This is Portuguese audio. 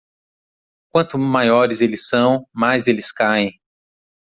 Quanto maiores eles são, mais eles caem.